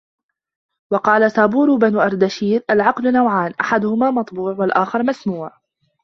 وَقَالَ سَابُورُ بْنُ أَرْدَشِيرَ الْعَقْلُ نَوْعَانِ أَحَدُهُمَا مَطْبُوعٌ ، وَالْآخَرُ مَسْمُوعٌ